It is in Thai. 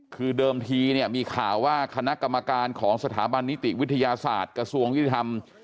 คือเดิมทีเนี่ยมีข่าวว่าคณะกรรมการของสถาบันนิติวิทยาศาสตร์กระทรวงยุติธรรม